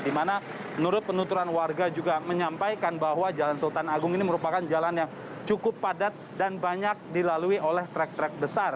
di mana menurut penuturan warga juga menyampaikan bahwa jalan sultan agung ini merupakan jalan yang cukup padat dan banyak dilalui oleh trek trek besar